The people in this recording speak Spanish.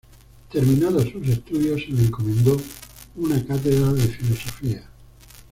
Terminados sus estudios se le encomendó una cátedra de Filosofía.